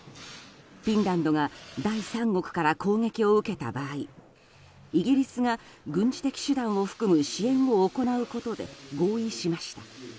フィンランドが第三国から攻撃を受けた場合イギリスが軍事的手段を含む支援を行うことで合意しました。